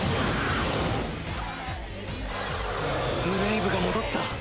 ブレイブが戻った！